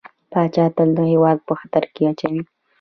پاچا تل هيواد په خطر کې اچوي .